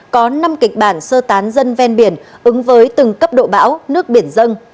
có năm kịch bản sơ tán dân ven biển ứng với từng cấp độ bão nước biển dân